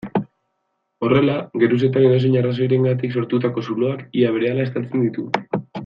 Horrela, geruzetan edozein arrazoirengatik sortutako zuloak ia berehala estaltzen ditu.